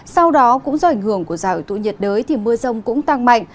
sau đó cũng do ảnh hưởng của giải hợp tụ nhiệt đới thì mưa rông cũng tăng mạnh